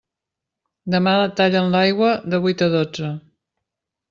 Demà tallen l'aigua de vuit a dotze.